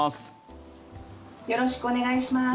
よろしくお願いします。